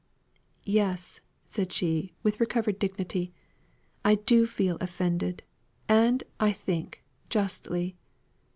"Yes!" said she with recovered dignity. "I do feel offended; and, I think, justly.